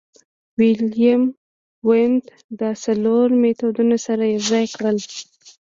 ویلهیلم وونت دا څلور مېتودونه سره یوځای کړل